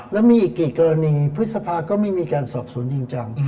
แล้วมีอีกกี่กรณีพฤษภาก็ไม่มีการสอบสวนจริงจัง